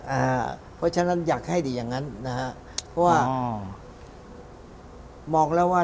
เออเพราะฉะนั้นอยากให้ดิยังงั้นนะเพราะว่า